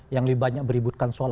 yang lebih banyak beributkan soal